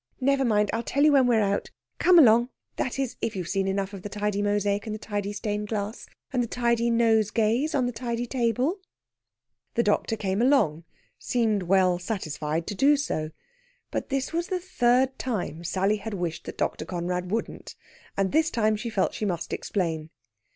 Never mind. I'll tell you when we're out. Come along that is, if you've seen enough of the tidy mosaic and the tidy stained glass, and the tidy nosegays on the tidy table." The doctor came along seemed well satisfied to do so. But this was the third time Sally had wished that Dr. Conrad wouldn't, and this time she felt she must explain.